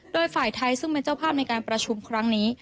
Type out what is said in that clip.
โดยฝ่ายไทยซึ่งเป็นเจ้าภาพในการประชุมครั้งนี้